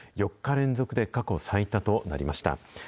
４日連続で過去最多となりました。